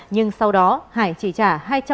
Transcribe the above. nhưng sau đó hải chỉ trả